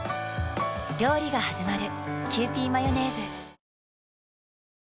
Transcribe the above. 料理がはじまる。